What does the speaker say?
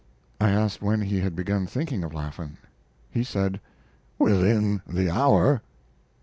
I asked when he had begun thinking of Laffan. He said: "Within the hour."